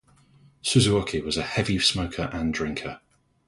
Suzuoki was a heavy smoker and drinker.